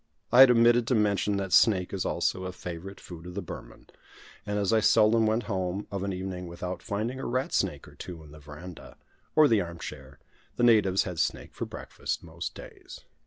I had omitted to mention that snake is also a favourite food of the Burman; and as I seldom went home of an evening without finding a rat snake or two in the verandah, or the arm chair, the natives had snake for breakfast, most days.